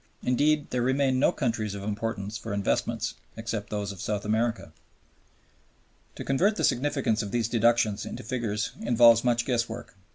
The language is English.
Indeed there remain no countries of importance for investments except those of South America. To convert the significance of these deductions into figures involves much guesswork.